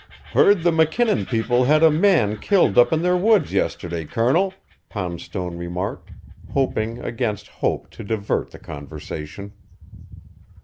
"Heard the McKinnon people had a man killed up in their woods yesterday, Colonel," Poundstone remarked, hoping against hope to divert the conversation.